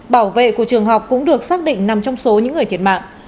bảo vệ của trường học cũng được xác định nằm trong số những người thiệt mạng